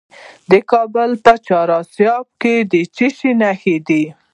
د کابل په چهار اسیاب کې څه شی شته؟